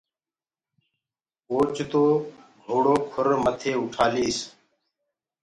اچآنڪ گھوڙو کُر مٿي اُٺآ ليس۔